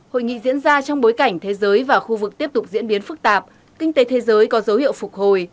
hội nghị diễn ra trong bối cảnh thế giới và khu vực tiếp tục diễn biến phức tạp kinh tế thế giới có dấu hiệu phục hồi